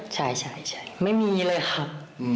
จริงครับ